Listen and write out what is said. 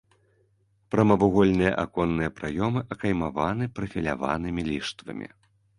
Прамавугольныя аконныя праёмы акаймаваны прафіляванымі ліштвамі.